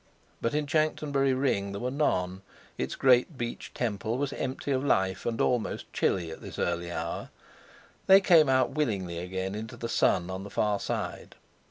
But in Chanctonbury Ring there were none—its great beech temple was empty of life, and almost chilly at this early hour; they came out willingly again into the sun on the far side.